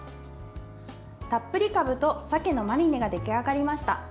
たっぷりかぶと鮭のマリネが出来上がりました。